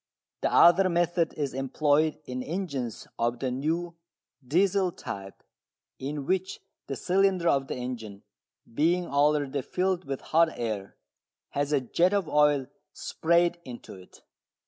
The other method is employed in engines of the new "Diesel" type, in which the cylinder of the engine, being already filled with hot air, has a jet of oil sprayed into it.